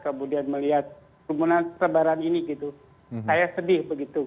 kemudian melihat pasar minggu penuh